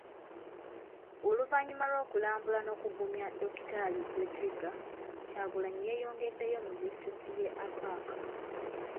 Oluvannyuma lw'okulambula n'okugumya Dokitaali Zedriga, Kyagulanyi yeeyongeddeyo mu disitulikiti y'e Apac .